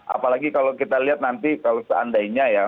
apalagi kalau kita lihat nanti kalau seandainya ya